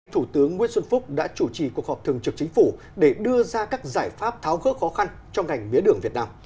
thủ tướng nguyễn xuân phúc đã chủ trì cuộc họp thường trực chính phủ để đưa ra các giải pháp tháo gỡ khó khăn cho ngành mía đường việt nam